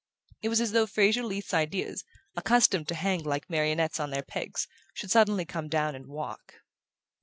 It was as though Fraser Leath's ideas, accustomed to hang like marionettes on their pegs, should suddenly come down and walk.